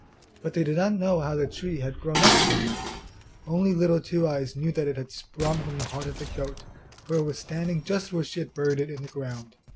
But they did not know how the tree had grown up in the night; only Little Two eyes knew that it had sprung from the heart of the goat, for it was standing just where she had buried it in the ground.